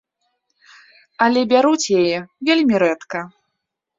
Але бяруць яе вельмі рэдка.